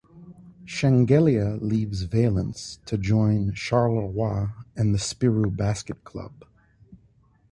Shengelia leaves Valence to join Charleroi and the Spirou Basket Club.